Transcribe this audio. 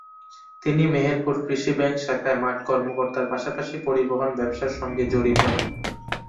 তিনি মেহেরপুর কৃষি ব্যাংক শাখায় মাঠ কর্মকর্তার পাশাপাশি পরিবহন ব্যবসার সঙ্গে জড়িত।